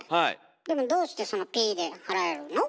でもどうしてそのピッで払えるの？